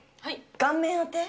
顔面当て？